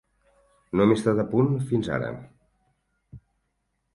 No hem estat a punt fins ara.